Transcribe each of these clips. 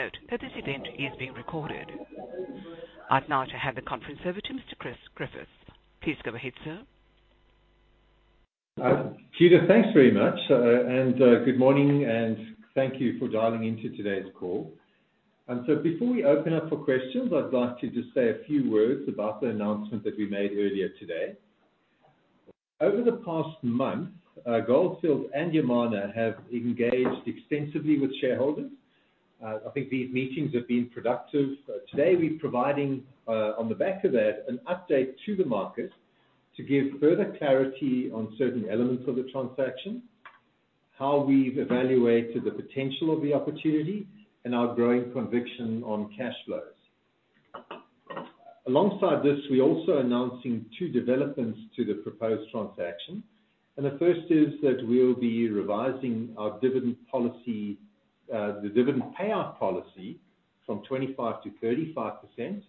Please note that this event is being recorded. I'd now like to hand the conference over to Mr. Chris Griffith. Please go ahead, sir. Judith, thanks very much. Good morning and thank you for dialing into today's call. Before we open up for questions, I'd like to just say a few words about the announcement that we made earlier today. Over the past month, Gold Fields and Yamana have engaged extensively with shareholders. I think these meetings have been productive. Today we're providing, on the back of that, an update to the market to give further clarity on certain elements of the transaction, how we've evaluated the potential of the opportunity and our growing conviction on cash flows. Alongside this, we're also announcing two developments to the proposed transaction. The first is that we'll be revising our dividend policy, the dividend payout policy from 25%-35%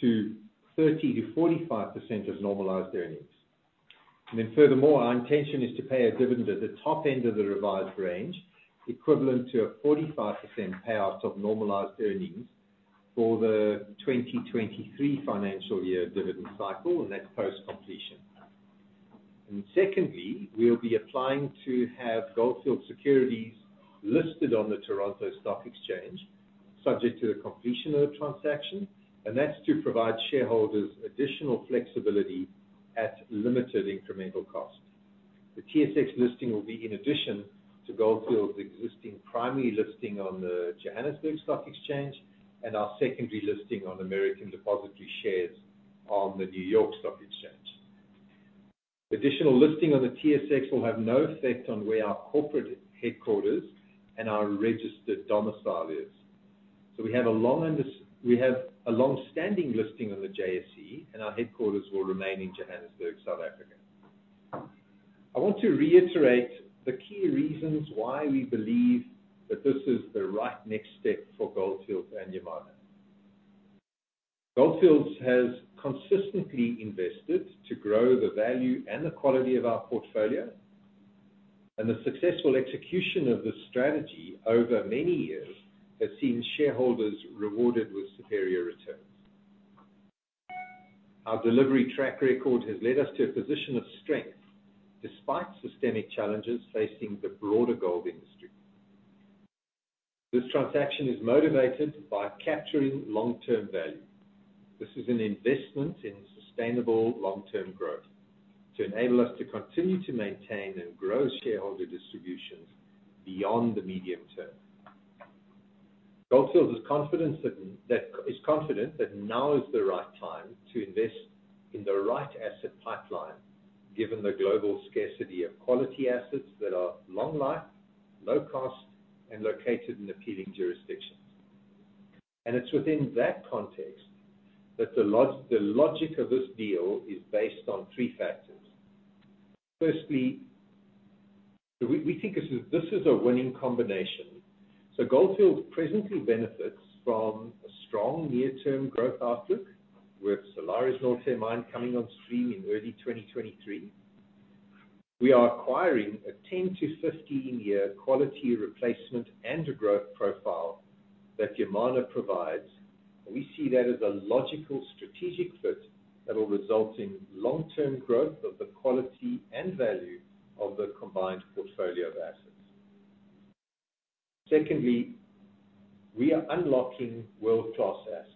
to 30%-45% of normalized earnings. Furthermore, our intention is to pay a dividend at the top end of the revised range, equivalent to a 45% payout of normalized earnings for the 2023 financial year dividend cycle, and that's post-completion. Secondly, we'll be applying to have Gold Fields securities listed on the Toronto Stock Exchange, subject to the completion of the transaction, and that's to provide shareholders additional flexibility at limited incremental cost. The TSX listing will be in addition to Gold Fields' existing primary listing on the Johannesburg Stock Exchange and our secondary listing on American depository shares on the New York Stock Exchange. Additional listing on the TSX will have no effect on where our corporate headquarters and our registered domicile is. We have a long-standing listing on the JSE and our headquarters will remain in Johannesburg, South Africa. I want to reiterate the key reasons why we believe that this is the right next step for Gold Fields and Yamana. Gold Fields has consistently invested to grow the value and the quality of our portfolio, and the successful execution of this strategy over many years has seen shareholders rewarded with superior returns. Our delivery track record has led us to a position of strength despite systemic challenges facing the broader gold industry. This transaction is motivated by capturing long-term value. This is an investment in sustainable long-term growth to enable us to continue to maintain and grow shareholder distributions beyond the medium term. Gold Fields is confident that now is the right time to invest in the right asset pipeline given the global scarcity of quality assets that are long life, low cost and located in appealing jurisdictions. It's within that context that the logic of this deal is based on three factors. Firstly, we think this is a winning combination. Gold Fields presently benefits from a strong near-term growth outlook with Salares Norte mine coming on stream in early 2023. We are acquiring a 10 to 15 year quality replacement and a growth profile that Yamana provides. We see that as a logical strategic fit that will result in long-term growth of the quality and value of the combined portfolio of assets. Secondly, we are unlocking world-class assets.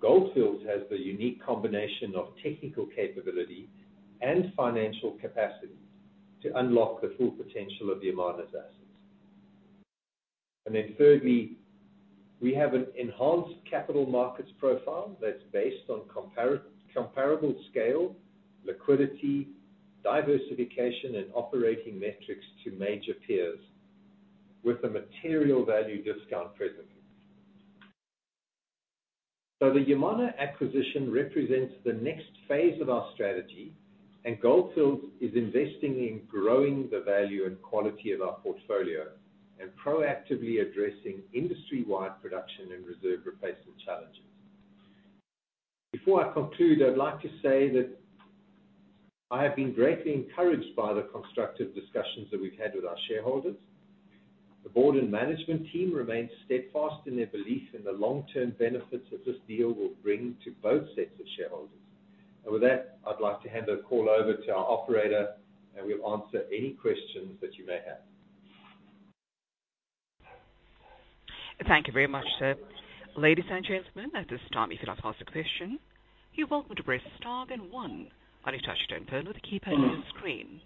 Gold Fields has the unique combination of technical capability and financial capacity to unlock the full potential of Yamana's assets. Thirdly, we have an enhanced capital markets profile that's based on comparable scale, liquidity, diversification and operating metrics to major peers with a material value discount presently. The Yamana acquisition represents the next phase of our strategy, and Gold Fields is investing in growing the value and quality of our portfolio and proactively addressing industry-wide production and reserve replacement challenges. Before I conclude, I'd like to say that I have been greatly encouraged by the constructive discussions that we've had with our shareholders. The board and management team remains steadfast in their belief in the long-term benefits that this deal will bring to both sets of shareholders. With that, I'd like to hand the call over to our operator and we'll answer any questions that you may have. Thank you very much, sir. Ladies and gentlemen, at this time, if you'd like to ask a question, you're welcome to press star then one on your touchtone phone or the keypad on your screen.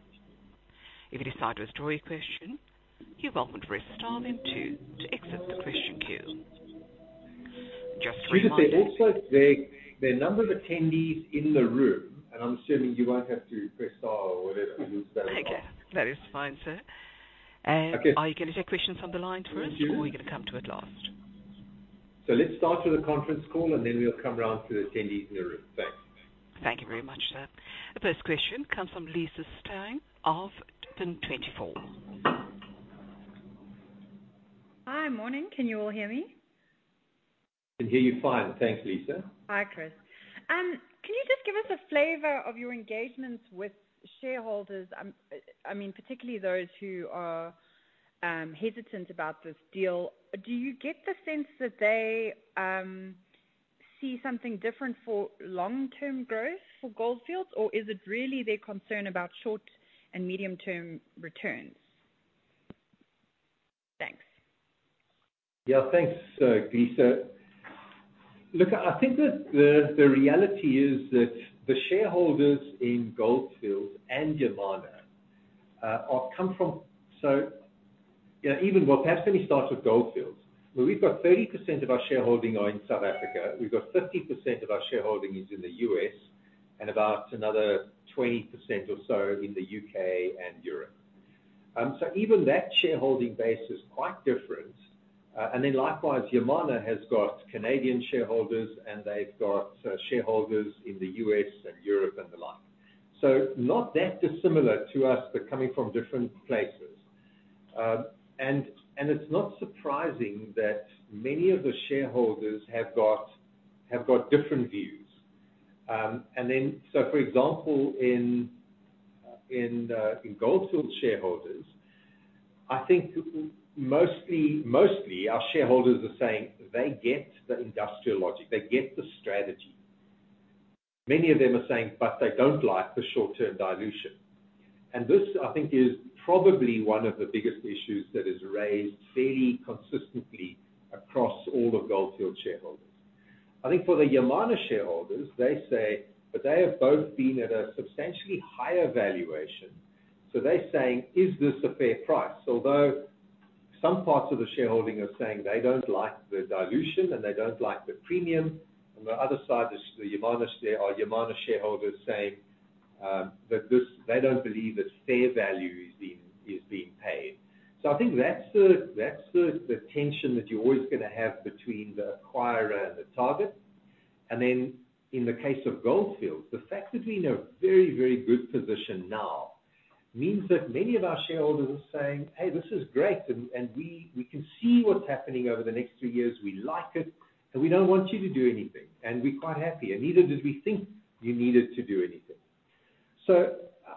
If you decide to withdraw your question, you're welcome to press star then two to exit the question queue. Just a reminder. Judith, there's also a number of attendees in the room, and I'm assuming you won't have to press star or whatever it is that. Okay. That is fine, sir. Okay. Are you gonna take questions on the line first? Yes Are we gonna come to it last? Let's start with the conference call and then we'll come round to the attendees in the room. Thanks. Thank you very much, sir. The first question comes from Lisa Steyn of News24. Hi. Morning. Can you all hear me? Can hear you fine. Thanks, Lisa. Hi, Chris. Can you just give us a flavor of your engagements with shareholders? I mean, particularly those who are hesitant about this deal. Do you get the sense that they see something different for long-term growth for Gold Fields, or is it really their concern about short and medium-term returns? Thanks. Yeah, thanks, Lisa. Look, I think that the reality is that the shareholders in Gold Fields and Yamana come from. You know, well, perhaps let me start with Gold Fields. Where we've got 30% of our shareholding are in South Africa, we've got 50% of our shareholding is in the U.S., and about another 20% or so in the U.K. and Europe. Even that shareholding base is quite different. And then likewise, Yamana has got Canadian shareholders, and they've got shareholders in the U.S. and Europe and the like. Not that dissimilar to us, but coming from different places. It's not surprising that many of the shareholders have got different views. For example, in Gold Fields shareholders, I think mostly our shareholders are saying they get the industrial logic, they get the strategy. Many of them are saying, but they don't like the short-term dilution. This, I think, is probably one of the biggest issues that is raised fairly consistently across all the Gold Fields shareholders. I think for the Yamana shareholders, they say that they have both been at a substantially higher valuation, so they're saying, "Is this a fair price?" Although some parts of the shareholding are saying they don't like the dilution and they don't like the premium. On the other side are Yamana shareholders saying that they don't believe that fair value is being paid. I think that's the tension that you're always gonna have between the acquirer and the target. In the case of Gold Fields, the fact that we're in a very, very good position now means that many of our shareholders are saying, "Hey, this is great. And we can see what's happening over the next two years. We like it, and we don't want you to do anything. And we're quite happy, and neither did we think you needed to do anything."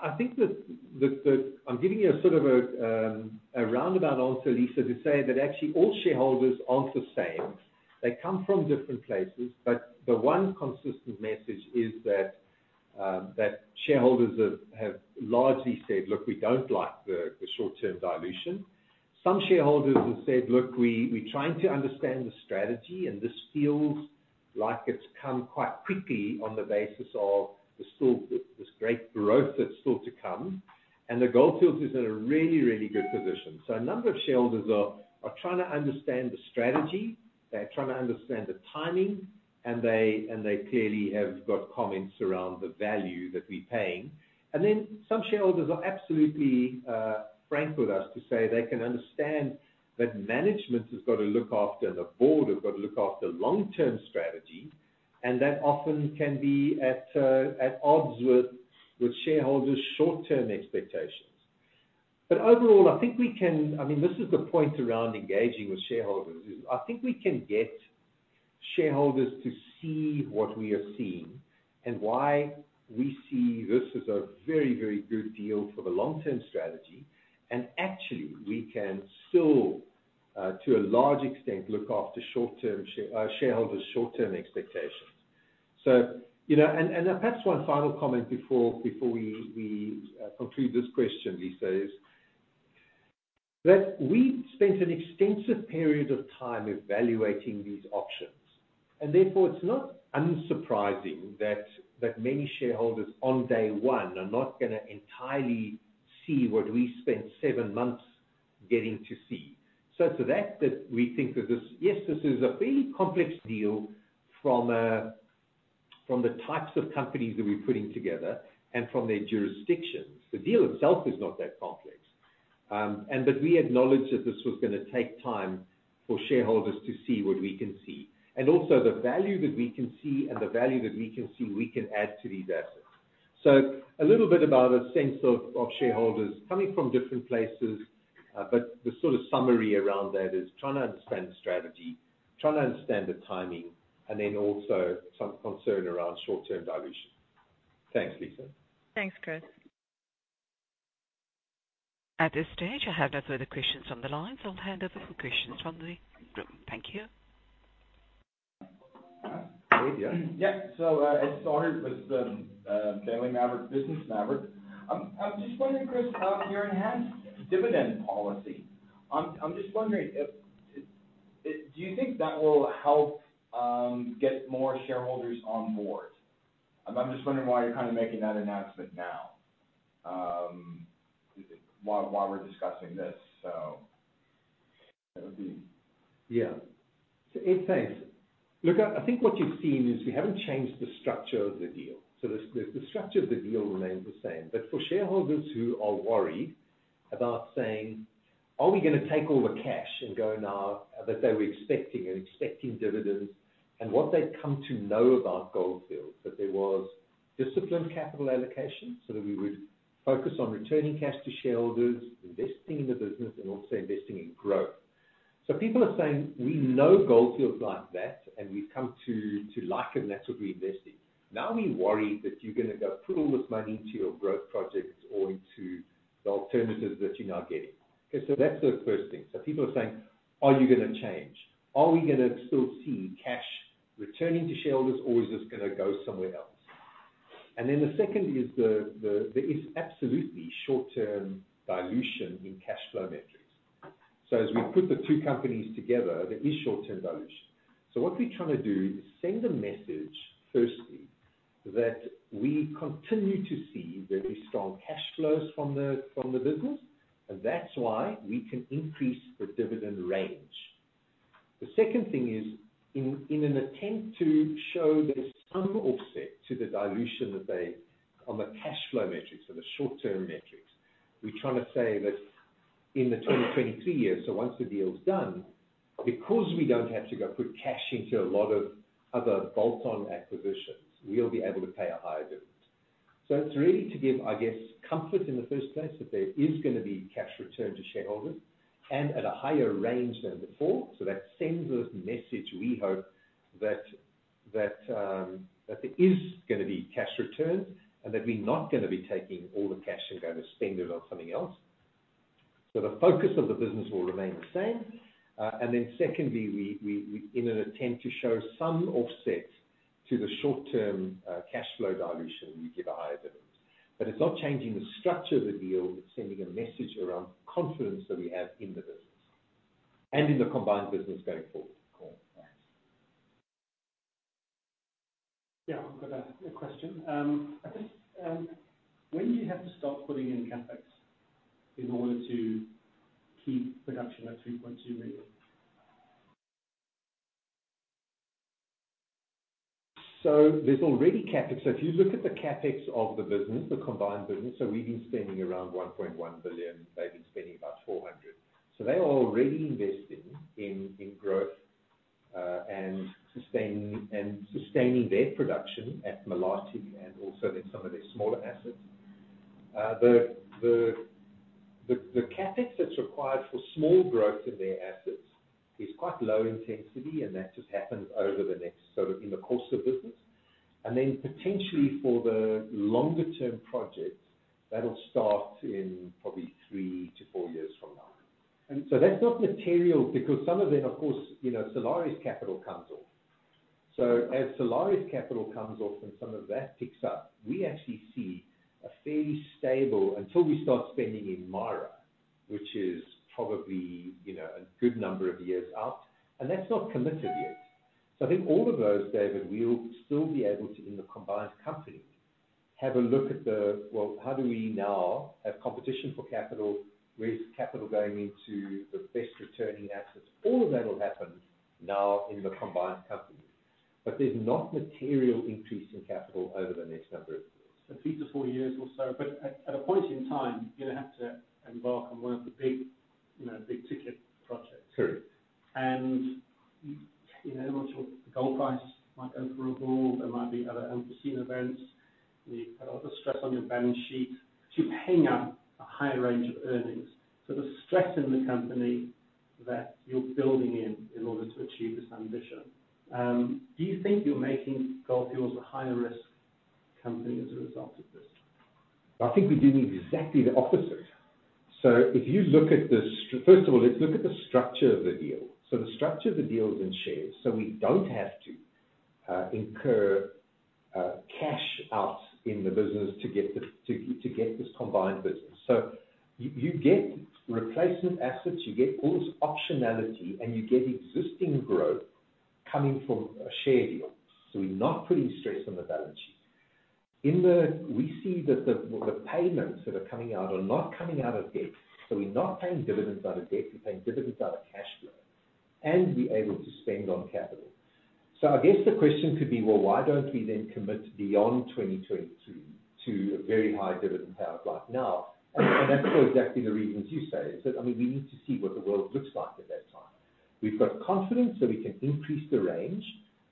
I think that I'm giving you a sort of a roundabout answer, Lisa, to say that actually all shareholders aren't the same. They come from different places. The one consistent message is that shareholders have largely said, "Look, we don't like the short-term dilution." Some shareholders have said, "Look, we're trying to understand the strategy, and this feels like it's come quite quickly on the basis of this great growth that's still to come." That Gold Fields is in a really good position. A number of shareholders are trying to understand the strategy, they're trying to understand the timing, and they clearly have got comments around the value that we're paying. Then some shareholders are absolutely frank with us to say they can understand that management has got to look after, the board have got to look after long-term strategy, and that often can be at odds with shareholders' short-term expectations. Overall, I think we can. I mean, this is the point around engaging with shareholders is I think we can get shareholders to see what we are seeing and why we see this as a very, very good deal for the long-term strategy. Actually, we can still, to a large extent, look after shareholders' short-term expectations. You know, perhaps one final comment before we conclude this question, Lisa, is that we spent an extensive period of time evaluating these options, and therefore it's not unsurprising that many shareholders on day one are not gonna entirely see what we spent seven months getting to see. To that we think that this, yes, this is a fairly complex deal from the types of companies that we're putting together and from their jurisdictions. The deal itself is not that complex. We acknowledge that this was gonna take time for shareholders to see what we can see. Also the value that we can see we can add to these assets. A little bit about a sense of shareholders coming from different places. The sort of summary around that is trying to understand the strategy, trying to understand the timing, and then also some concern around short-term dilution. Thanks, Lisa. Thanks, Chris. At this stage, I have no further questions from the lines. I'll hand over for questions from the room. Thank you. All right. Ed Stoddard with Daily Maverick, Business Maverick. I'm just wondering, Chris, about your enhanced dividend policy. I'm just wondering if do you think that will help get more shareholders on board? I'm just wondering why you're kinda making that announcement now, why we're discussing this so. Yeah. Ed, thanks. Look, I think what you've seen is we haven't changed the structure of the deal. The structure of the deal remains the same. But for shareholders who are worried about saying, "Are we gonna take all the cash and go now?" That they were expecting dividends. And what they've come to know about Gold Fields, Disciplined capital allocation, so that we would focus on returning cash to shareholders, investing in the business and also investing in growth. People are saying, "We know Gold Fields like that, and we've come to like them. That's what we invest in. Now we worry that you're gonna go put all this money into your growth projects or into the alternatives that you're now getting." Okay. That's the first thing. People are saying, "Are you gonna change? Are we gonna still see cash returning to shareholders, or is this gonna go somewhere else?" Then the second is, there is absolutely short-term dilution in cash flow metrics. As we put the two companies together, there is short-term dilution. What we're trying to do is send a message, firstly, that we continue to see very strong cash flows from the business, and that's why we can increase the dividend range. The second thing is, in an attempt to show there's some offset to the dilution on the cash flow metrics or the short-term metrics, we're trying to say that in the 2023 year, so once the deal is done, because we don't have to go put cash into a lot of other bolt-on acquisitions, we'll be able to pay a higher dividend. It's really to give, I guess, comfort in the first place that there is gonna be cash returned to shareholders and at a higher range than before. That sends a message, we hope, that there is gonna be cash returned and that we're not gonna be taking all the cash and going to spend it on something else. The focus of the business will remain the same. Then secondly, we in an attempt to show some offset to the short-term cash flow dilution, we give a higher dividend. It's not changing the structure of the deal. It's sending a message around confidence that we have in the business and in the combined business going forward. Cool. Thanks. I've got a question. When do you have to start putting in CapEx in order to keep production at 3.2 million? There's already CapEx. If you look at the CapEx of the business, the combined business, we've been spending around $1.1 billion. They've been spending about $400 million. They are already investing in growth and sustaining their production at Malartic and also in some of their smaller assets. The CapEx that's required for small growth in their assets is quite low intensity, and that just happens in the course of business. Then potentially for the longer term projects, that'll start in probably three to four years from now. That's not material because some of it, of course, you know, Salares capital comes off. As Salares capital comes off and some of that picks up, we actually see a fairly stable until we start spending in MARA, which is probably, you know, a good number of years out. That's not committed yet. I think all of those, David, we'll still be able to, in the combined company, have a look at the, well, how do we now have competition for capital. Where is capital going into the best returning assets. All of that will happen now in the combined company. There's not material increase in capital over the next number of years. Three to four years or so. At a point in time, you're gonna have to embark on one of the big, you know, big-ticket projects. Correct. You know, the gold price might go through a wall. There might be other unforeseen events. You put a lot of stress on your balance sheet to hang up a higher range of earnings. The stress in the company that you're building in order to achieve this ambition, do you think you're making Gold Fields a higher risk company as a result of this? I think we're doing exactly the opposite. If you look at first of all, let's look at the structure of the deal. The structure of the deal is in shares, so we don't have to incur cash outflow in the business to get this combined business. You get replacement assets, you get all this optionality, and you get existing growth coming from a share deal. We're not putting stress on the balance sheet. We see that the payments that are coming out are not coming out of debt. We're not paying dividends out of debt. We're paying dividends out of cash flow. We're able to spend on capital. I guess the question could be, well, why don't we then commit beyond 2023 to a very high dividend payout like now? That's for exactly the reasons you say is that, I mean, we need to see what the world looks like at that time. We've got confidence that we can increase the range.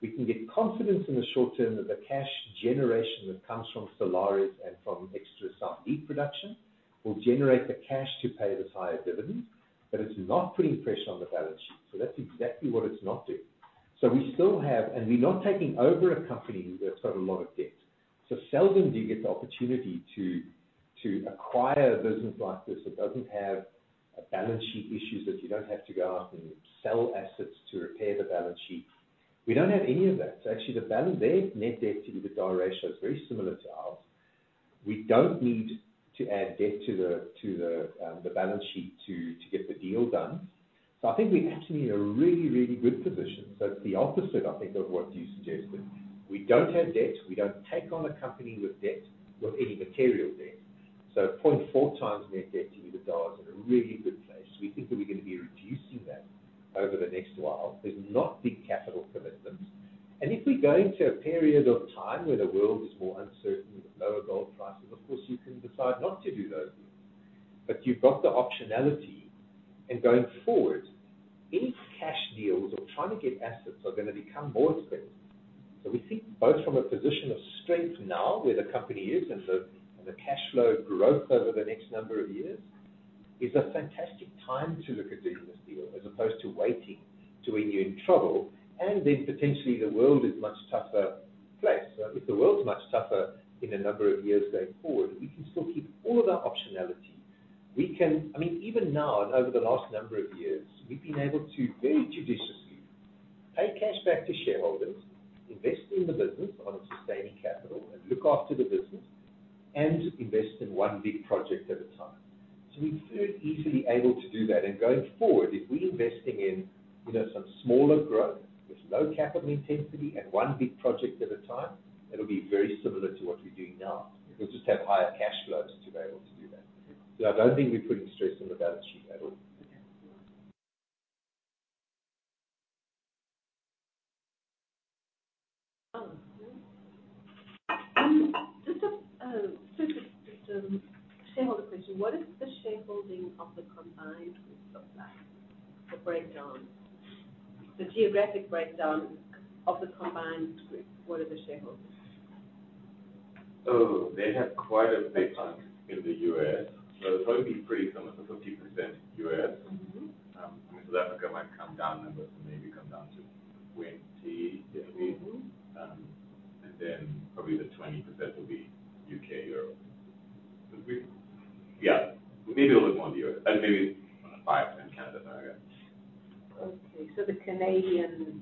We can get confidence in the short term that the cash generation that comes from Salares and from extra South Deep production will generate the cash to pay this higher dividend. It's not putting pressure on the balance sheet. That's exactly what it's not doing. We still have, and we're not taking over a company that's got a lot of debt. Seldom do you get the opportunity to acquire a business like this that doesn't have a balance sheet issues that you don't have to go out and sell assets to repair the balance sheet. We don't have any of that. Actually their net debt to EBITDA ratio is very similar to ours. We don't need to add debt to the balance sheet to get the deal done. I think we're actually in a really good position. It's the opposite, I think, of what you suggested. We don't have debt. We don't take on a company with debt or any material debt. 0.4x net debt to EBITDA is in a really good place. We think that we're gonna be reducing that over the next while. There's not big capital commitments. If we go into a period of time where the world is more uncertain with lower gold prices, of course, you can decide not to do those deals. But you've got the optionality. Going forward, any cash deals or trying to get assets are gonna become more expensive. We think both from a position of strength now, where the company is and the cash flow growth over the next number of years, is a fantastic time to look at doing this deal as opposed to waiting till when you're in trouble and then potentially the world is much tougher place. If the world's much tougher in a number of years going forward, we can still keep all of our optionality. We can, I mean, even now and over the last number of years, we've been able to very judiciously pay cash back to shareholders, invest in the business on a sustaining capital, and look after the business and invest in one big project at a time. We're still easily able to do that. Going forward, if we're investing in, you know, some smaller growth with low capital intensity and one big project at a time, it'll be very similar to what we're doing now. We'll just have higher cash flows to be able to do that. I don't think we're putting stress on the balance sheet at all. Okay. Just a shareholder question. What is the shareholding of the combined group look like? The breakdown. The geographic breakdown of the combined group. What are the shareholdings? They have quite a big chunk in the U.S. It's probably pretty similar to 50% U.S. I mean, South Africa might come down a bit. Maybe come down to 20%, maybe. Probably the 20% will be UK, Europe. Maybe a little more in the U.S. Maybe 5% Canada. Okay. The Canadian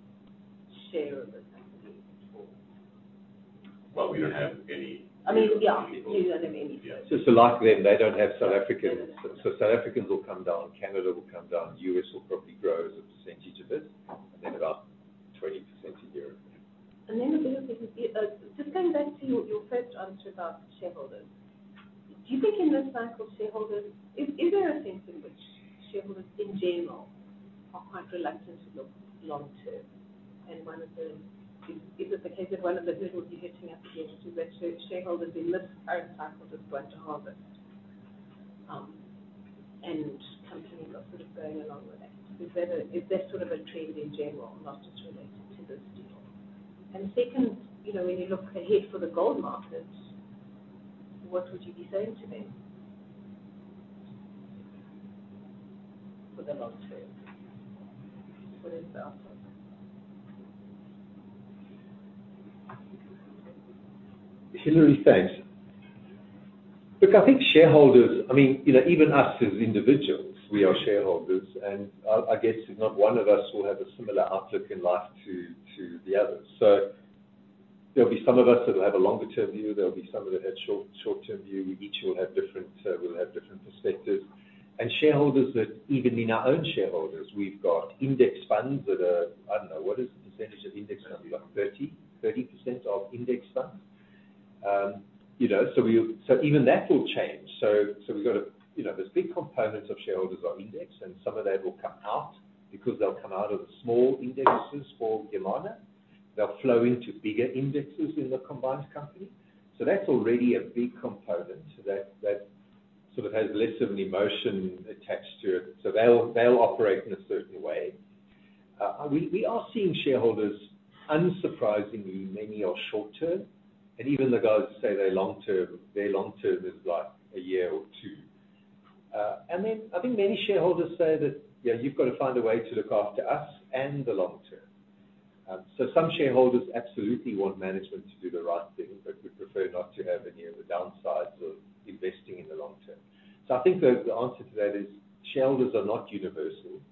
share of the company is small. Well, we don't have any. I mean, yeah. You don't have any. Yeah. Just likely they don't have South Africans. South Africans will come down, Canada will come down, U.S. will probably grow as a percentage a bit, and then about 20% to Europe. Yeah. Just going back to your first answer about shareholders. Do you think in this cycle, shareholders are quite reluctant to look long term? Is there a sense in which shareholders in general are quite reluctant to look long term? Is it the case that one of the little behemoths you have to get to, that shareholders in this current cycle just want to harvest, and companies are sort of going along with that. Is that sort of a trend in general, not just related to this deal? Second, you know, when you look ahead for the gold markets, what would you be saying to them for the long term. What is the outlook? Hilary, thanks. Look, I think shareholders. I mean, you know, even us as individuals, we are shareholders, and I guess if not one of us will have a similar outlook in life to the others. There'll be some of us that'll have a longer term view. There'll be some that have short term view. We each will have different. We'll have different perspectives. Shareholders that even in our own shareholders, we've got index funds that are. I don't know, what is the percentage of index funds? We've got 30% of index funds. You know, so even that will change. We've got a, you know, there's big components of shareholders are index, and some of that will come out because they'll come out of the small indexes for Yamana. They'll flow into bigger indexes in the combined company. That's already a big component. That's that sort of has less of an emotional attachment to it. They'll operate in a certain way. We are seeing shareholders, unsurprisingly, many are short term. Even the guys who say they're long term, their long term is like a year or two. I think many shareholders say that, "Yeah, you've got to find a way to look after us and the long term." Some shareholders absolutely want management to do the right thing, but would prefer not to have any of the downsides of investing in the long term. I think the answer to that is shareholders are not universal.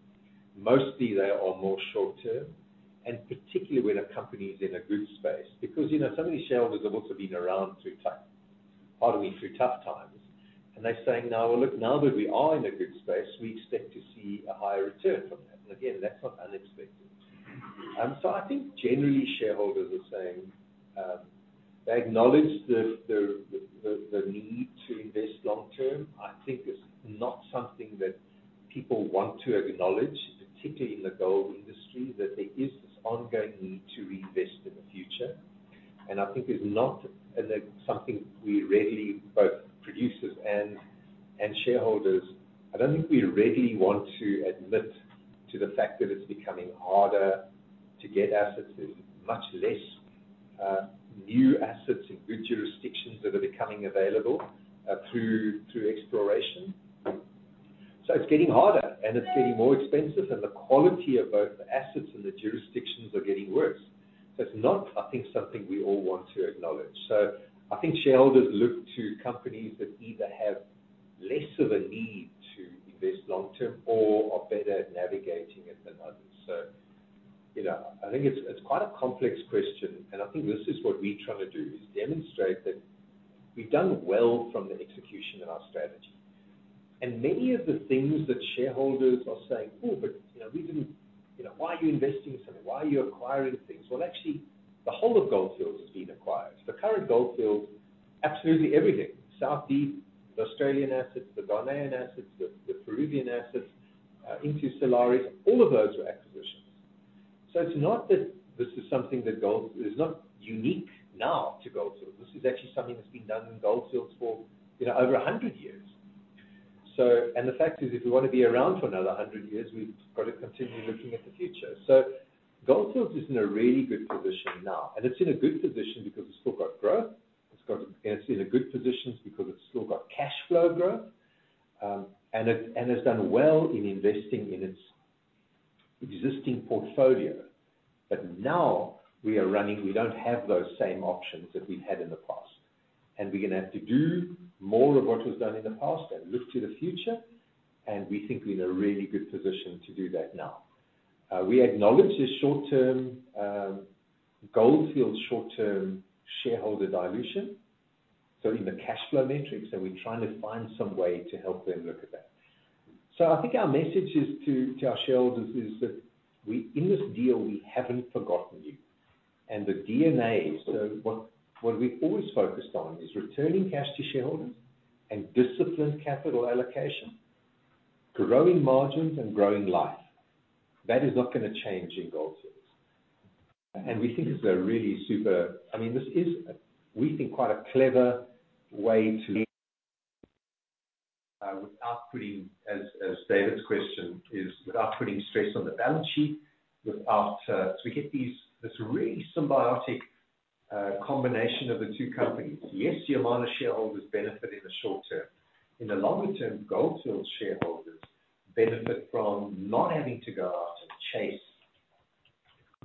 Mostly they are more short term, and particularly when a company is in a good space because, you know, some of these shareholders have also been around through tough times, and they're saying, "Now look, now that we are in a good space, we expect to see a higher return from that." Again, that's not unexpected. I think generally shareholders are saying they acknowledge the need to invest long term. I think it's not something that people want to acknowledge, particularly in the gold industry, that there is this ongoing need to reinvest in the future. I think that's something we, both producers and shareholders, don't readily want to admit to the fact that it's becoming harder to get assets. There's much less new assets in good jurisdictions that are becoming available through exploration. It's getting harder, and it's getting more expensive, and the quality of both the assets and the jurisdictions are getting worse. It's not, I think, something we all want to acknowledge. I think shareholders look to companies that either have less of a need to invest long term or are better at navigating it than others. You know, I think it's quite a complex question, and I think this is what we try to do, is demonstrate that we've done well from the execution of our strategy. Many of the things that shareholders are saying, "Oh, but, you know, we didn't, you know, why are you investing in something? Why are you acquiring things?" Well, actually, the whole of Gold Fields is being acquired. The current Gold Fields, absolutely everything. South Deep, the Australian assets, the Ghanaian assets, the Peruvian assets into Solaris, all of those were acquired. It's not that this is something that is not unique now to Gold Fields. This is actually something that's been done in Gold Fields for, you know, over a hundred years. And the fact is, if we wanna be around for another hundred years, we've gotta continue looking at the future. Gold Fields is in a really good position now, and it's in a good position because it's still got growth, and it's in a good position because it's still got cash flow growth, and it's done well in investing in its existing portfolio. Now we don't have those same options that we've had in the past, and we're gonna have to do more of what was done in the past and look to the future, and we think we're in a really good position to do that now. We acknowledge the short-term Gold Fields shareholder dilution. In the cash flow metrics, are we trying to find some way to help them look at that? I think our message to our shareholders is that in this deal, we haven't forgotten you. The DNA, what we've always focused on is returning cash to shareholders and disciplined capital allocation, growing margins and growing life. That is not gonna change in Gold Fields. We think it's a really super. I mean, this is, we think, quite a clever way to, without putting, as David's question is, stress on the balance sheet. We get this really symbiotic combination of the two companies. Yes, Yamana shareholders benefit in the short term. In the longer term, Gold Fields shareholders benefit from not having to go out and chase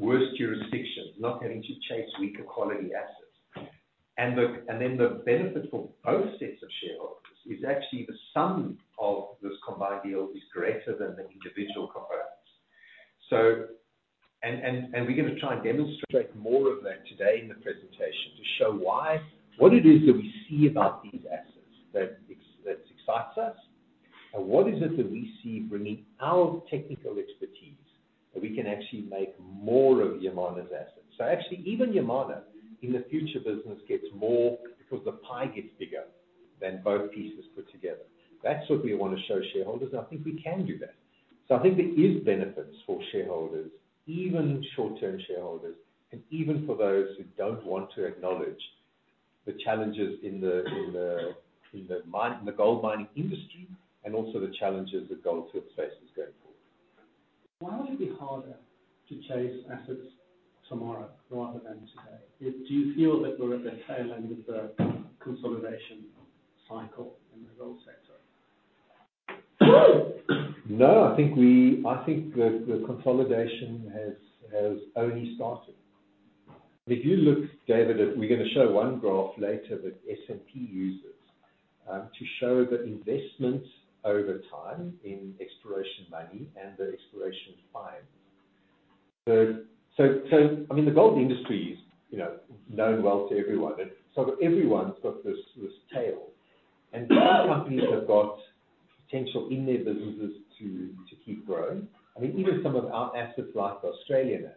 worse jurisdictions, not having to chase weaker quality assets. Then the benefit for both sets of shareholders is actually the sum of this combined deal is greater than the individual components. We're gonna try and demonstrate more of that today in the presentation to show what it is that we see about these assets that that excites us, and what it is that we see bringing our technical expertise that we can actually make more of Yamana's assets. Actually, even Yamana in the future business gets more because the pie gets bigger than both pieces put together. That's what we wanna show shareholders, and I think we can do that. I think there is benefits for shareholders, even short-term shareholders, and even for those who don't want to acknowledge the challenges in the gold mining industry, and also the challenges that Gold Fields faces going forward. Why would it be harder to chase assets tomorrow rather than today? Do you feel that we're at the tail end of the consolidation cycle in the gold sector? No, I think the consolidation has only started. If you look, David, we're gonna show one graph later that S&P uses to show the investment over time in exploration money and the exploration finds. So I mean, the gold industry is, you know, known well to everyone and sort of everyone's got this tale. Some companies have got potential in their businesses to keep growing. I mean, even some of our assets like the Australian assets.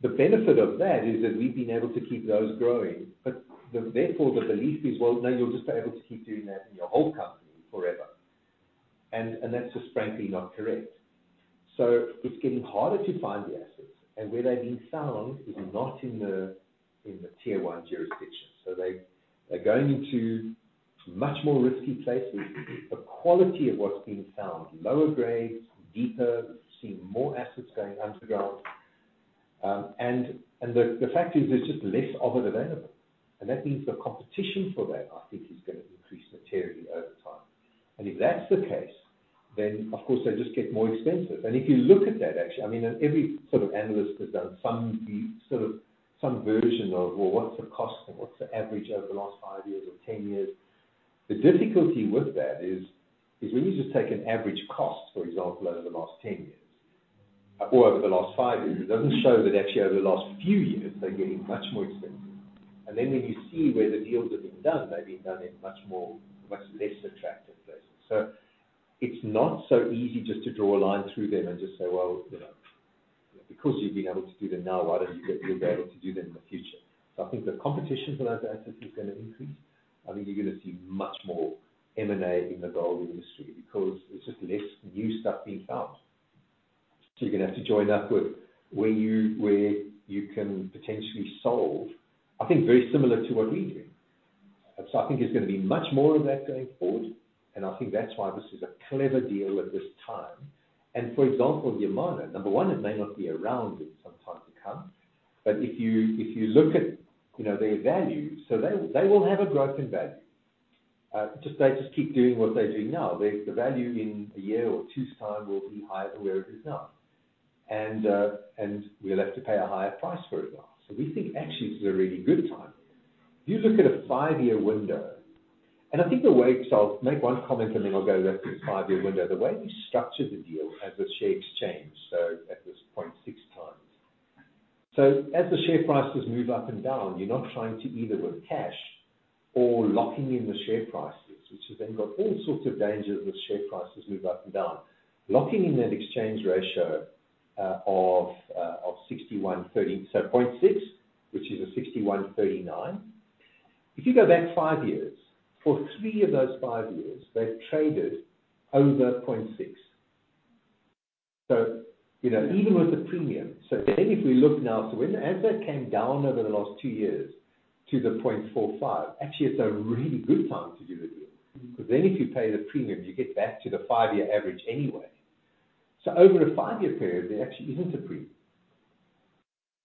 The benefit of that is that we've been able to keep those growing. Therefore, the belief is, well, no, you'll just be able to keep doing that in your whole company forever. That's just frankly not correct. It's getting harder to find the assets, and where they've been found is not in the tier one jurisdictions. They're going into much more risky places. The quality of what's being found, lower grades, deeper, we've seen more assets going underground. And the fact is there's just less of it available. That means the competition for that, I think is gonna increase materially over time. If that's the case, then of course they just get more expensive. If you look at that, actually, I mean, every sort of analyst has done some version of, well, what's the cost and what's the average over the last five years or 10 years? The difficulty with that is when you just take an average cost, for example, over the last 10 years or over the last five years, it doesn't show that actually over the last few years they're getting much more expensive. Then when you see where the deals have been done, they've been done in much more, much less attractive places. It's not so easy just to draw a line through them and just say, "Well, you know, because you've been able to do them now, why don't you say that you'll be able to do them in the future." I think the competition for those assets is gonna increase. I think you're gonna see much more M&A in the gold industry because there's just less new stuff being found. You're gonna have to join up with where you can potentially solve, I think, very similar to what we do. I think there's gonna be much more of that going forward, and I think that's why this is a clever deal at this time. For example, Yamana, number one, it may not be around in some time to come. If you look at, you know, their value, so they will have a growth in value. They just keep doing what they're doing now. The value in a year or two's time will be higher than where it is now. We'll have to pay a higher price for it now. We think actually this is a really good time. If you look at a five-year window, and I think the way. I'll make one comment, and then I'll go back to the five-year window. The way we structured the deal as a share exchange, at this point, 0.6x. As the share prices move up and down, you're not trying to deal either with cash or locking in the share prices, which has then got all sorts of dangers when share prices move up and down. Locking in that exchange ratio of 0.6130, 0.6, which is 0.6139. If you go back five years, for three of those five years, they've traded over 0.6. You know, even with the premium. If we look now, when the asset came down over the last two years to 0.45, actually it's a really good time to do the deal. Then if you pay the premium, you get back to the five-year average anyway. Over a five-year period, there actually isn't a premium.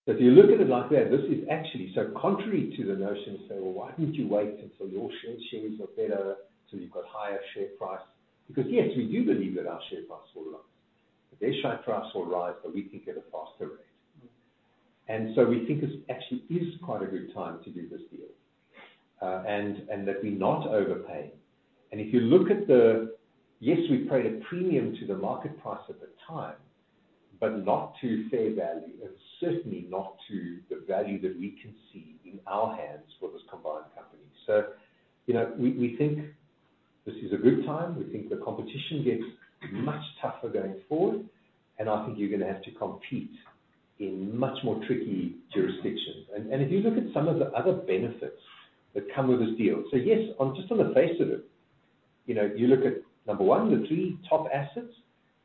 If you look at it like that, this is actually so contrary to the notion, say, "Well, why didn't you wait until your shares are better, till you've got higher share price?" Yes, we do believe that our share price will rise. Their share price will rise, but we think at a faster rate. We think this actually is quite a good time to do this deal, and that we're not overpaying. Yes, we paid a premium to the market price at the time, but not to fair value, and certainly not to the value that we can see in our hands for this combined company. You know, we think this is a good time. We think the competition gets much tougher going forward, and I think you're gonna have to compete in much more tricky jurisdictions. If you look at some of the other benefits that come with this deal. Yes, on just on the face of it, you know, you look at number one, the three top assets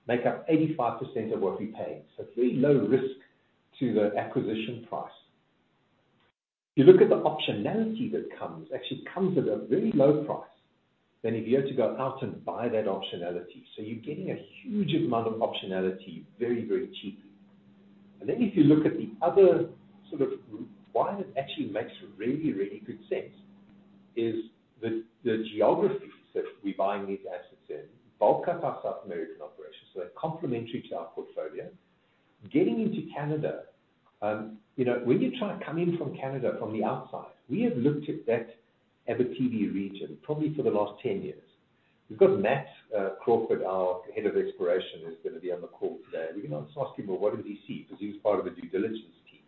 make up 85% of what we pay. It's very low risk to the acquisition price. You look at the optionality that comes, actually comes at a very low price than if you had to go out and buy that optionality. You're getting a huge amount of optionality very, very cheaply. Then if you look at the other sort of why it actually makes really, really good sense is the geographies that we're buying these assets in. Bulk of our South American operations, so they're complementary to our portfolio. Getting into Canada, you know, when you try to come into Canada from the outside, we have looked at that Abitibi region probably for the last 10 years. We've got Matt Crawford, our head of exploration, who's gonna be on the call today. We can always ask him, well, what did he see? Because he's part of the due diligence team.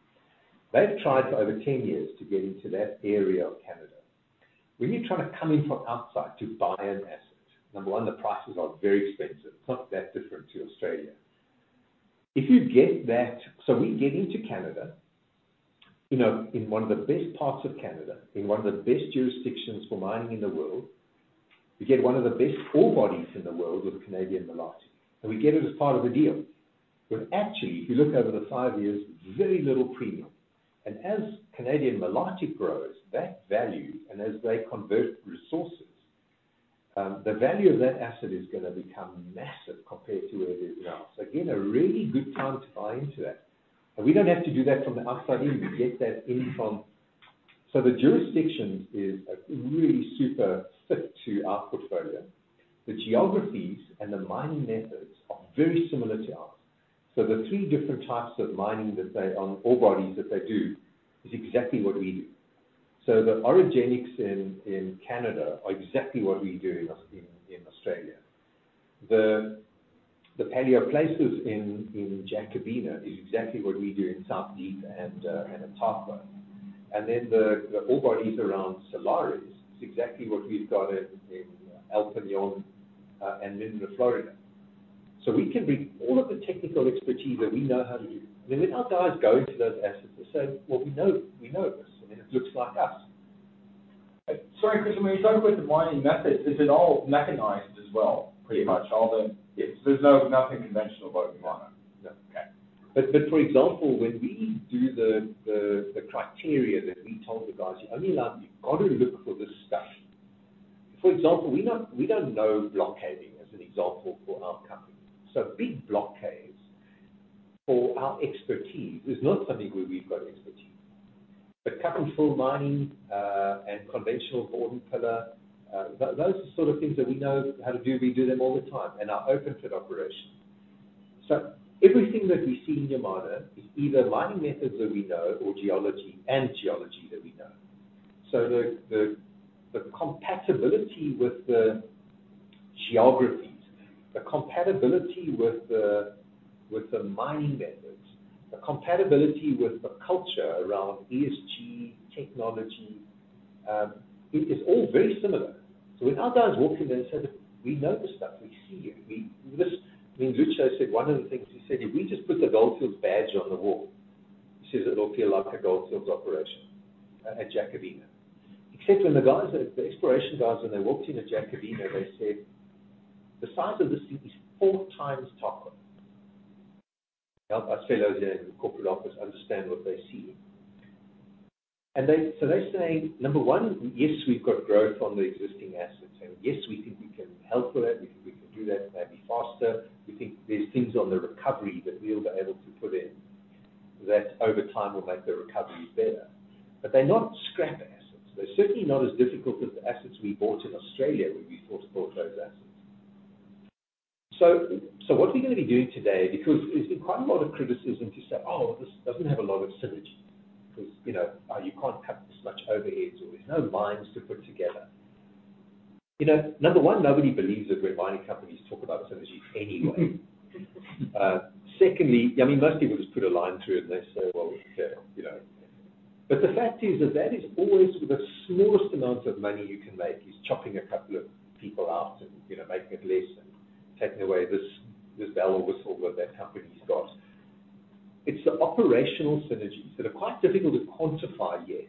They've tried for over 10 years to get into that area of Canada. When you're trying to come in from outside to buy an asset, number one, the prices are very expensive. It's not that different to Australia. We get into Canada, you know, in one of the best parts of Canada, in one of the best jurisdictions for mining in the world. We get one of the best ore bodies in the world with Canadian Malartic, and we get it as part of the deal. When actually, if you look over the five years, very little premium. As Canadian Malartic grows, that value, and as they convert resources, the value of that asset is gonna become massive compared to where it is now. Again, a really good time to buy into that. We don't have to do that from the outside in. We get that in from. The jurisdictions is really super fit to our portfolio. The geographies and the mining methods are very similar to ours. The three different types of mining that they ore bodies that they do is exactly what we do. The orogenic in Canada are exactly what we do in Australia. The paleoplacers in Jacobina is exactly what we do in South Deep and Atacama. The ore bodies around Salares is exactly what we've got in El Peñón and Minera Florida. We can bring all of the technical expertise that we know how to use. I mean, when our guys go into those assets, they say, "Well, we know this." I mean, it looks like us. Sorry, Chris, when you talk about the mining methods, is it all mechanized as well, pretty much? There's nothing conventional about the mining. No. Okay. For example, when we do the criteria that we told the guys, you only like, you've got to look for this stuff. For example, we don't know block caving as an example for our company. Big block caves for our expertise is not something where we've got expertise. Cut and fill mining and conventional room and pillar, those are sort of things that we know how to do. We do them all the time and are open to that operation. Everything that we see in Yamana is either mining methods that we know or geology that we know. The compatibility with the geographies, the compatibility with the mining methods, the compatibility with the culture around ESG, technology, it is all very similar. When our guys walk in there and say that we know this stuff, we see it. I mean, Luis Rivera said one of the things he said, "If we just put the Gold Fields badge on the wall," he says, "It'll feel like a Gold Fields operation at Jacobina." Except when the guys, the exploration guys, when they walked into Jacobina, they said, "The size of this thing is four times Tarkwa." Help our fellows there in the corporate office understand what they're seeing. They're saying, number one, yes, we've got growth on the existing assets. Yes, we think we can help with it. We think we can do that maybe faster. We think there's things on the recovery that we'll be able to put in that over time will make the recovery better. But they're not scrap assets. They're certainly not as difficult as the assets we bought in Australia when we first bought those assets. What we're gonna be doing today, because there's been quite a lot of criticism to say, "Oh, this doesn't have a lot of synergy," because, you know, you can't cut this much overheads or there's no mines to put together. You know, number one, nobody believes that mining companies talk about synergy anyway. Secondly, I mean, most people just put a line through it and they say, "Well, okay," you know. The fact is that that is always the smallest amount of money you can make, is chopping a couple of people out and, you know, making it less and taking away this bell or whistle that that company's got. It's the operational synergies that are quite difficult to quantify yet.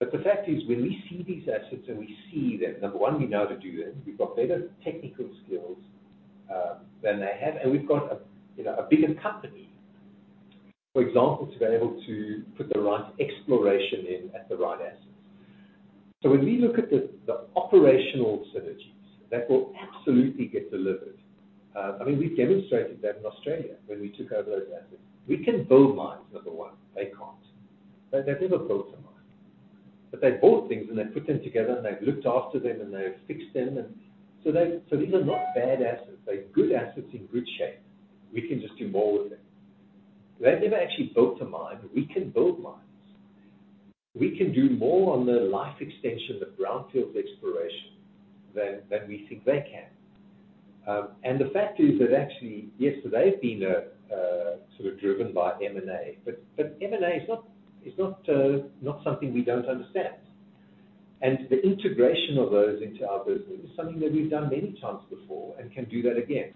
The fact is, when we see these assets and we see that, number one, we know how to do this, we've got better technical skills than they have, and we've got a, you know, a bigger company. For example, to be able to put the right exploration in at the right assets. So when we look at the operational synergies, that will absolutely get delivered. I mean, we've demonstrated that in Australia when we took over those assets. We can build mines, number one, they can't. They've never built a mine. They bought things, and they put them together, and they've looked after them, and they've fixed them. So these are not bad assets. They're good assets in good shape. We can just do more with them. They've never actually built a mine. We can build mines. We can do more on the life extension of brownfield exploration than we think they can. The fact is that actually, yes, they've been a sort of driven by M&A. M&A is not something we don't understand. The integration of those into our business is something that we've done many times before and can do that again.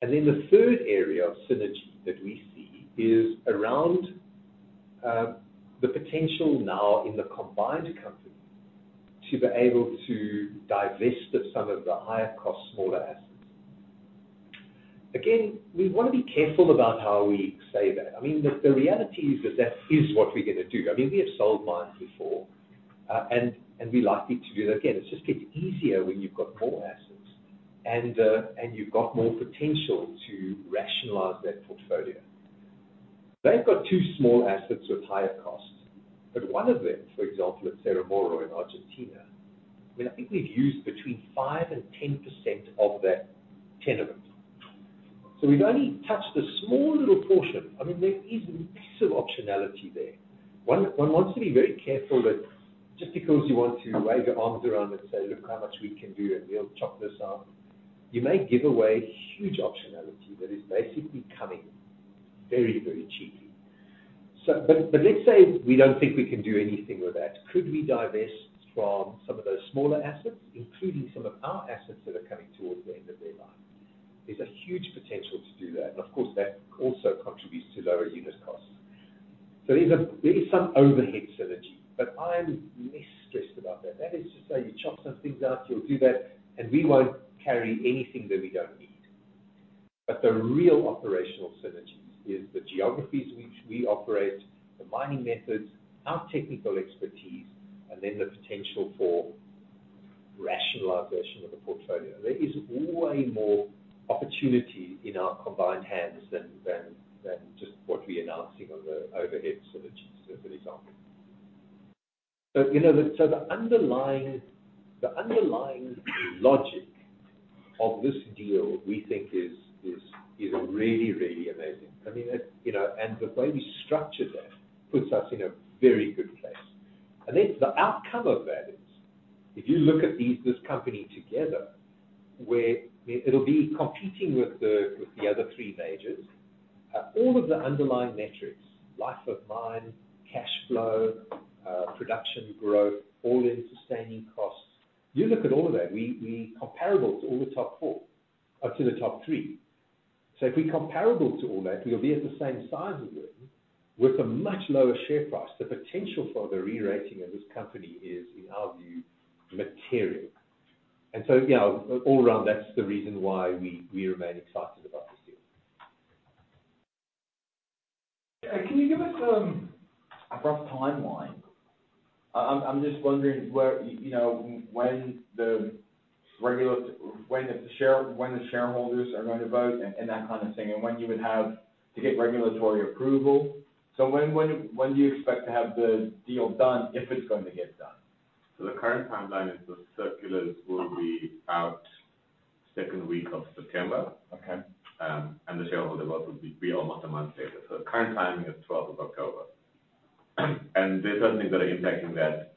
The third area of synergy that we see is around the potential now in the combined company to be able to divest of some of the higher cost smaller assets. Again, we wanna be careful about how we say that. I mean, the reality is that is what we're gonna do. I mean, we have sold mines before, and we're likely to do that again. It just gets easier when you've got more assets and and you've got more potential to rationalize that portfolio. They've got two small assets with higher costs, but one of them, for example, at Cerro Moro in Argentina, I mean, I think we've used between 5% and 10% of that tenement. We've only touched a small little portion. I mean, there is massive optionality there. One wants to be very careful that just because you want to wave your arms around and say, "Look how much we can do, and we'll chop this up," you may give away huge optionality that is basically coming very, very cheaply. But let's say we don't think we can do anything with that. Could we divest from some of those smaller assets, including some of our assets that are coming towards the end of their life? There's a huge potential to do that, and of course, that also contributes to lower unit costs. There is some overhead synergy, but I'm less stressed about that. That is to say you chop some things out, you'll do that, and we won't carry anything that we don't need. The real operational synergies is the geographies which we operate, the mining methods, our technical expertise, and then the potential for rationalization of the portfolio. There is way more opportunity in our combined hands than just what we are announcing on the overhead synergies, for example. You know, so the underlying logic of this deal, we think is really, really amazing. I mean, it, you know, and the way we structured that puts us in a very good place. The outcome of that is, if you look at these, this company together, where it'll be competing with the other three majors, all of the underlying metrics, life of mine, cash flow, production growth, all-in sustaining costs. You look at all of that, we comparable to all the top four. To the top three. If we comparable to all that, we'll be at the same size as them with a much lower share price. The potential for the rerating of this company is, in our view, material. You know, all around, that's the reason why we remain excited about this deal. Can you give us a rough timeline? I'm just wondering where, you know, when the shareholders are going to vote and that kind of thing, and when you would have to get regulatory approval. When do you expect to have the deal done, if it's going to get done? The current timeline is the circulars will be out second week of September. Okay. The shareholder vote will be almost a month later. Current timing is twelfth of October. There are certain things that are impacting that,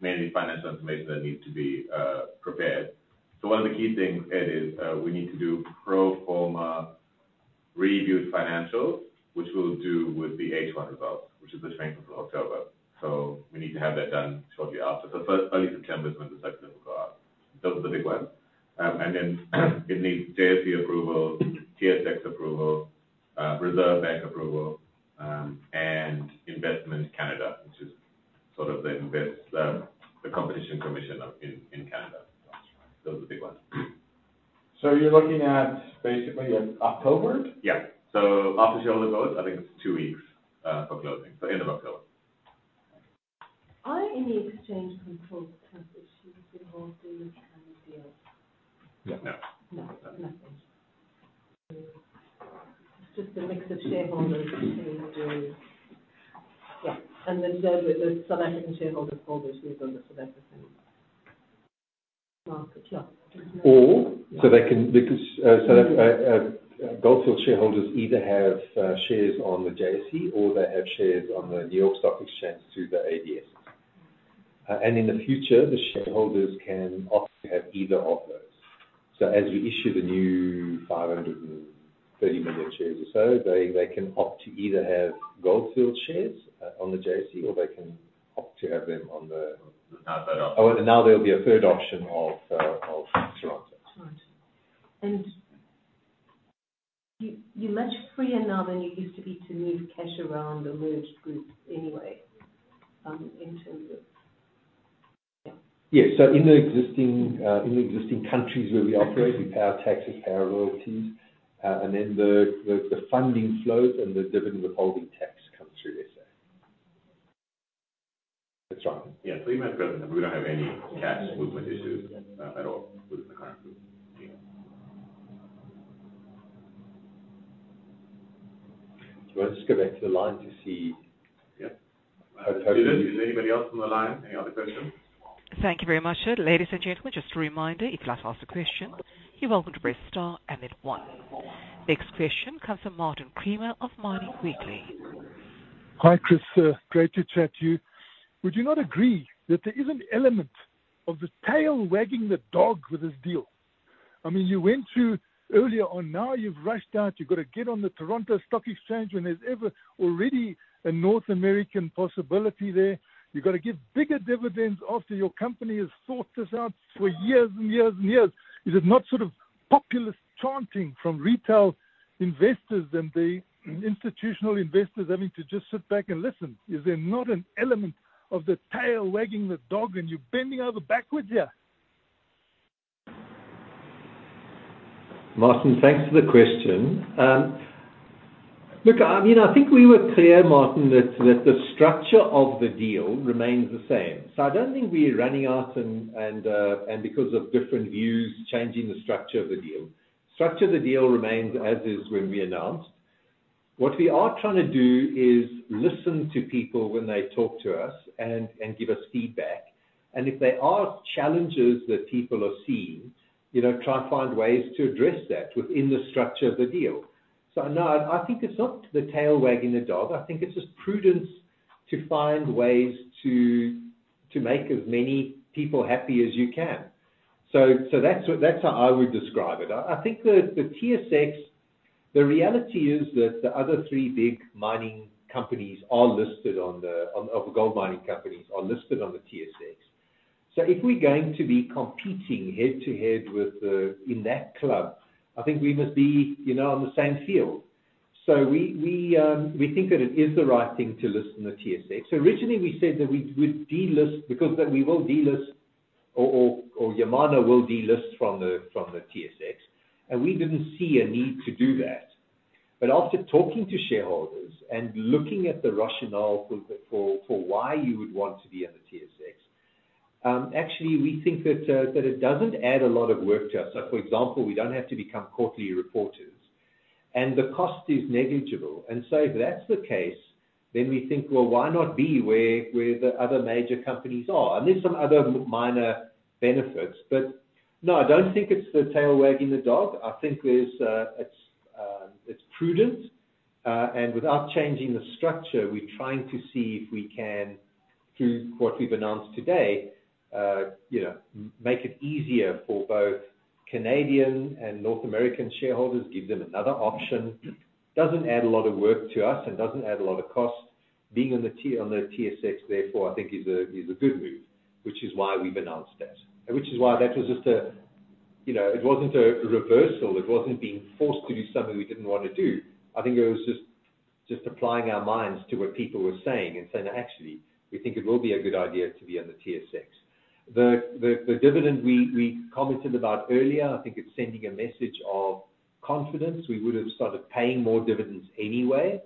mainly financial information that needs to be prepared. One of the key things, Ed, is we need to do pro forma reviewed financials, which we'll do with the H1 results, which is the twentieth of October. We need to have that done shortly after. Early September is when the circular will go out. Those are the big ones. Then it needs JSE approval, TSX approval, Reserve Bank approval, and Investment Canada, which is sort of the competition commission up in Canada. That's right. Those are the big ones. You're looking at basically October? Yeah. After shareholder vote, I think it's two weeks for closing, so end of October. Are any exchange controls kind of issues involved in the deal? Yeah. No. Nothing. It's just a mix of shareholders. Yeah. The South African shareholders hold their shares on the Johannesburg market. Yeah. Because so that Gold Fields shareholders either have shares on the JSE or they have shares on the New York Stock Exchange through the ADS. In the future, the shareholders can opt to have either of those. As we issue the new 530 million shares or so, they can opt to either have Gold Fields shares on the JSE or they can have them on, oh, now there'll be a third option of Toronto. Toronto. You, you're much freer now than you used to be to move cash around the merged group anyway, in terms of. Yes. In the existing countries where we operate, we pay our taxes, pay our royalties, and then the funding flows and the dividend withholding tax comes through SA. That's right. Yeah. You might remember, we don't have any cash movement issues at all with the current group. Yeah. Do you wanna just go back to the line to see? Yeah. Other people. Is anybody else on the line? Any other questions? Thank you very much, sir. Ladies and gentlemen, just a reminder, if you'd like to ask a question, you're welcome to press star and then one. Next question comes from Martin Creamer of Mining Weekly. Hi, Chris. Great to chat to you. Would you not agree that there is an element of the tail wagging the dog with this deal? I mean, you went through earlier on, now you've rushed out, you've gotta get on the Toronto Stock Exchange when there's already a North American possibility there. You've gotta give bigger dividends after your company has thought this out for years and years and years. Is it not sort of populist chanting from retail investors and the institutional investors having to just sit back and listen? Is there not an element of the tail wagging the dog and you bending over backwards here? Martin, thanks for the question. Look, I mean, I think we were clear, Martin, that the structure of the deal remains the same. I don't think we're running out and because of different views, changing the structure of the deal. Structure of the deal remains as is when we announced. What we are trying to do is listen to people when they talk to us and give us feedback. If there are challenges that people are seeing, you know, try and find ways to address that within the structure of the deal. No, I think it's not the tail wagging the dog. I think it's just prudence to find ways to make as many people happy as you can. That's what that's how I would describe it. I think the reality is that the other three big gold mining companies are listed on the TSX. If we're going to be competing head to head in that club, I think we must be, you know, on the same field. We think that it is the right thing to list on the TSX. Originally, we said that we would delist because then Yamana will delist from the TSX, and we didn't see a need to do that. After talking to shareholders and looking at the rationale for why you would want to be on the TSX, actually we think that it doesn't add a lot of work to us. Like, for example, we don't have to become quarterly reporters, and the cost is negligible. If that's the case, then we think, well, why not be where the other major companies are? There's some other minor benefits. But no, I don't think it's the tail wagging the dog. I think it's prudent, and without changing the structure, we're trying to see if we can, through what we've announced today, make it easier for both Canadian and North American shareholders, give them another option. Doesn't add a lot of work to us and doesn't add a lot of cost. Being on the TSX, therefore, I think is a good move, which is why we've announced that. Which is why that was just a, you know, it wasn't a reversal. It wasn't being forced to do something we didn't wanna do. I think it was just applying our minds to what people were saying and saying, "Actually, we think it will be a good idea to be on the TSX." The dividend we commented about earlier, I think it's sending a message of confidence. We would have started paying more dividends anyway.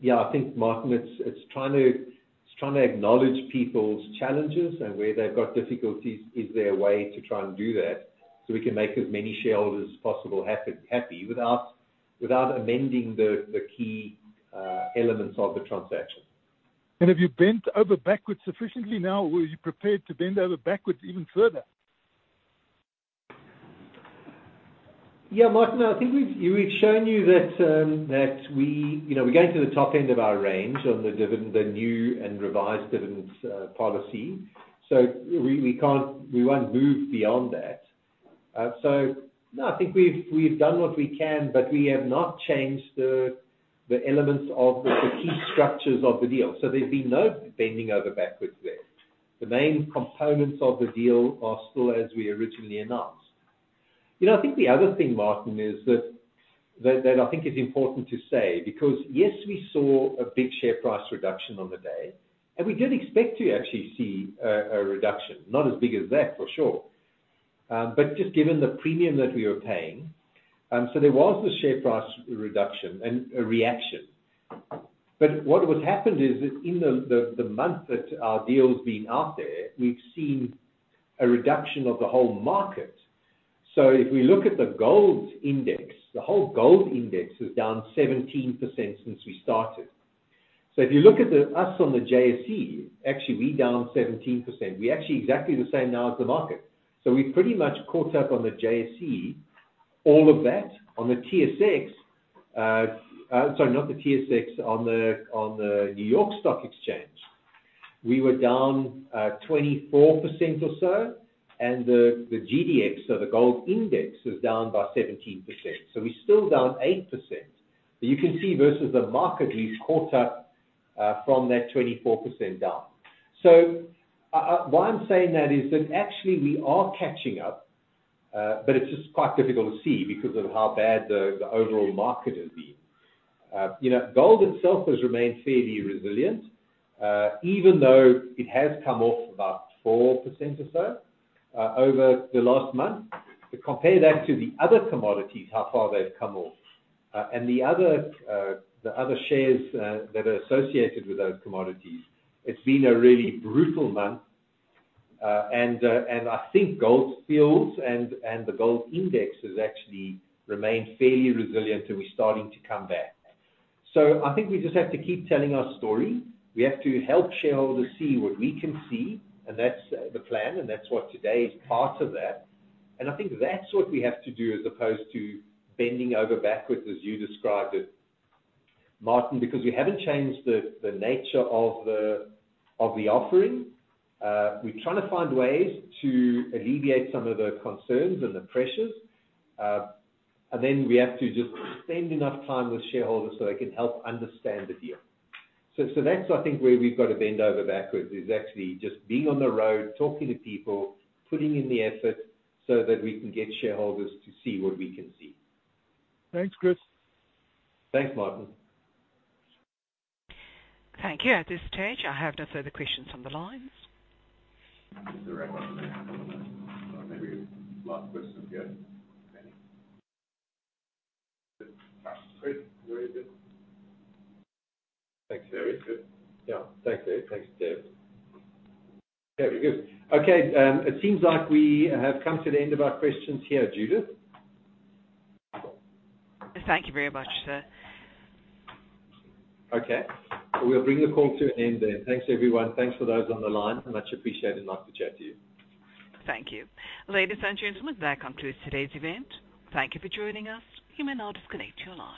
Yeah, I think, Martin, it's trying to acknowledge people's challenges and where they've got difficulties. Is there a way to try and do that so we can make as many shareholders possible happy without amending the key elements of the transaction. Have you bent over backwards sufficiently now, or are you prepared to bend over backwards even further? Yeah, Martin, I think we've shown you that we you know, we're going to the top end of our range on the dividend, the new and revised dividend policy. We won't move beyond that. No, I think we've done what we can, but we have not changed the elements of the key structures of the deal. There's been no bending over backwards there. The main components of the deal are still as we originally announced. You know, I think the other thing, Martin, is that I think is important to say, because yes, we saw a big share price reduction on the day, and we did expect to actually see a reduction. Not as big as that, for sure. Just given the premium that we were paying. There was the share price reduction and a reaction. What would happen is that in the month that our deal's been out there, we've seen a reduction of the whole market. If we look at the gold index, the whole gold index is down 17% since we started. If you look at us on the JSE, actually we're down 17%. We're actually exactly the same now as the market. We pretty much caught up on the JSE all of that. On the TSX, sorry, not the TSX, on the New York Stock Exchange. We were down 24% or so, and the GDX, so the gold index was down by 17%. We're still down 8%. You can see versus the market we've caught up from that 24% down. Why I'm saying that is that actually we are catching up, but it's just quite difficult to see because of how bad the overall market has been. You know, gold itself has remained fairly resilient, even though it has come off about 4% or so over the last month. Compare that to the other commodities, how far they've come off. The other shares that are associated with those commodities, it's been a really brutal month. I think Gold Fields and the gold index has actually remained fairly resilient, and we're starting to come back. I think we just have to keep telling our story. We have to help shareholders see what we can see, and that's the plan and that's what today is part of that. I think that's what we have to do as opposed to bending over backwards as you described it, Martin. Because we haven't changed the nature of the offering. We're trying to find ways to alleviate some of the concerns and the pressures. We have to just spend enough time with shareholders so they can help understand the deal. That's I think where we've got to bend over backwards, is actually just being on the road, talking to people, putting in the effort so that we can get shareholders to see what we can see. Thanks, Chris. Thanks, Martin. Thank you. At this stage, I have no further questions on the line. Maybe last question here. Great. Very good. Thanks. Very good. Yeah. Thanks, Dave. Very good. Okay, it seems like we have come to the end of our questions here, Judith. Thank you very much, sir. Okay. We'll bring the call to an end then. Thanks, everyone. Thanks for those on the line. Much appreciated. Nice to chat to you. Thank you. Ladies and gentlemen, that concludes today's event. Thank you for joining us. You may now disconnect your line.